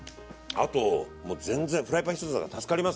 あともう全然フライパン１つだから助かりますね。